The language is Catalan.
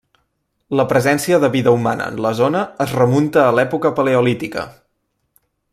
La presència de vida humana en la zona es remunta a l'època paleolítica.